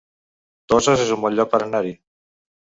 Toses es un bon lloc per anar-hi